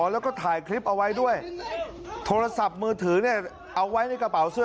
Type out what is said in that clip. แล้วก็ถ่ายคลิปเอาไว้ด้วยโทรศัพท์มือถือเนี่ยเอาไว้ในกระเป๋าเสื้อ